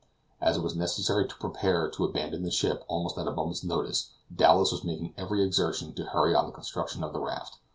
As it was necessary to be prepared to abandon the ship almost at a moment's notice, Dowlas was making every exertion to hurry on the construction of the raft.